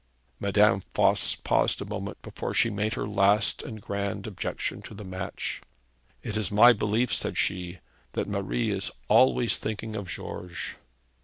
Madame Voss paused a moment before she made her last and grand objection to the match. 'It is my belief,' said she, 'that Marie is always thinking of George.'